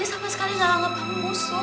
jadi sama sekali gak nganggep kamu musuh